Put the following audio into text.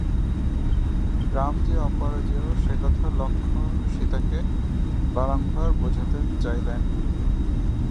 রাম যে অপরাজেয় সে কথা লক্ষ্মণ সীতাকে বারংবার বোঝাতে চাইলেন।